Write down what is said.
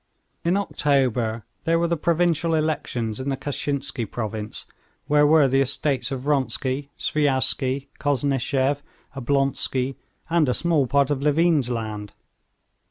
In October there were the provincial elections in the Kashinsky province, where were the estates of Vronsky, Sviazhsky, Koznishev, Oblonsky, and a small part of Levin's land.